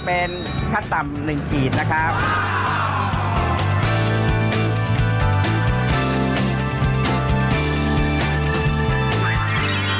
ปู่พญานาคี่อยู่ในกล่อง